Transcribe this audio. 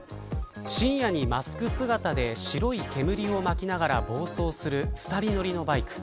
深夜にマスク姿で白い煙をまきながら暴走する２人乗りのバイク。